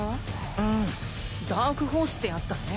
うんダークホースってやつだね。